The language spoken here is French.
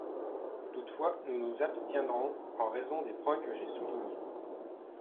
Toutefois, nous nous abstiendrons, en raison des points que j’ai soulignés.